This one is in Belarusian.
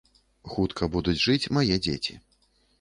Хутка будуць жыць мае дзеці.